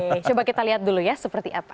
oke coba kita lihat dulu ya seperti apa